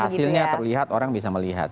hasilnya terlihat orang bisa melihat